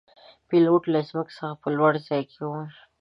پیلوټ له ځمکې څخه په لوړ ځای کې وي.